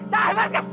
di sana juga